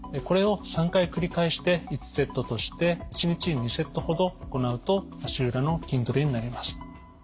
これを３回繰り返して１セットとして１日に２セットほど行うと足裏の筋トレになります。